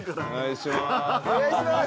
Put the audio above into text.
お願いします。